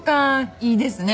いいですね。